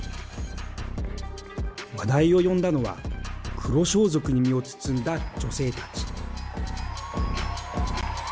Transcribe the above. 話題を呼んだのは黒装束に身を包んだ女性たち。